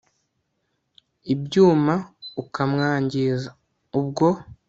ibyuma ukamwangiza ubwo